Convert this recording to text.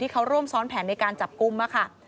ที่เขาร่วมซ้อนแผนในการจับกุมล่ะค่ะ